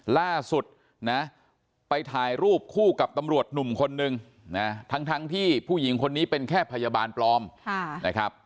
ล่าสุดนะไปถ่ายรูปคู่กับตำรวจหนุ่มคนนึงนะทั้งที่ผู้หญิงคนนี้เป็นแค่พยาบาลปลอมนะครับ